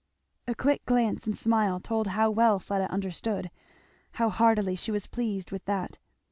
A quick glance and smile told how well Fleda understood, how heartily she was pleased with that.